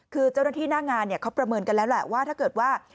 คือเจ้าหน้าที่หน้างานเขาประเมินกันแล้วแหละว่าถ้าเกิดว่า